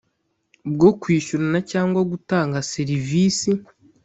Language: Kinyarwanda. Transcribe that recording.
Bwo kwishyurana cyangwa gutanga serivisi